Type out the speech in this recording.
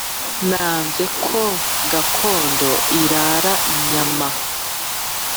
nanze ko gakondo irara inyama